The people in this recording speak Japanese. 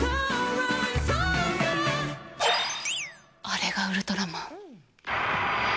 あれがウルトラマン。